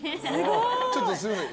ちょっとすみません。